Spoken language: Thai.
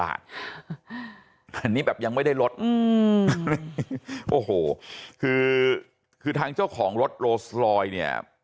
อันนี้แบบยังไม่ได้ลดอืมโอ้โหคือคือทางเจ้าของรถโรสลอยเนี่ย